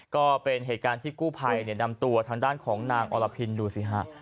ก็เป็นเหตุการณ์ที่กู้ภัยนำตัวทางด้านของนางอรพินดูสิฮะ